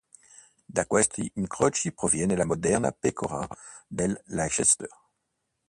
Da questi incroci proviene la moderna pecora del Leicester.